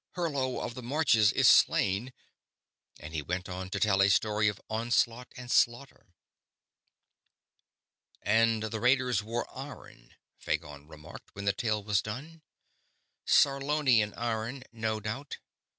Hurlo of the Marches is slain!" and he went on to tell a story of onslaught and slaughter. "And the raiders worn iron," Phagon remarked, when the tale was done. "Sarlonian iron, no doubt?"